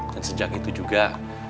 dan sejak itu juga